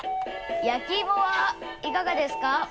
焼き芋はいかがですか？